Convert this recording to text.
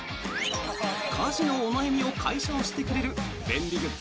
家事のお悩みを解消してくれる便利グッズ